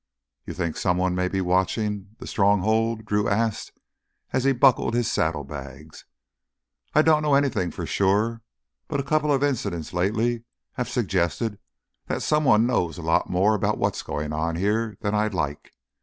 "You think someone may be watchin' the Stronghold?" Drew asked as he buckled his saddlebags. "I don't know anything for sure. But a couple of incidents lately have suggested that someone knows a lot more about what's going on here than I like.